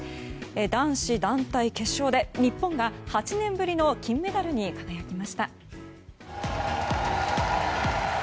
男子団体決勝で日本が８年ぶりの金メダルに輝きました。